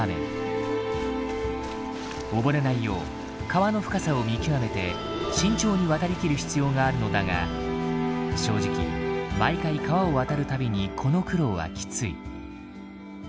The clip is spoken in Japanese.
溺れないよう川の深さを見極めて慎重に渡りきる必要があるのだが正直毎回川を渡る度にこの苦労はきつい。